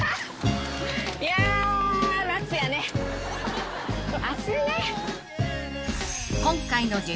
いや夏やね暑いね。